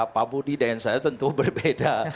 pak budi dan saya tentu berbeda